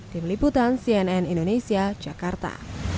tim liputan cnn indonesia jakarta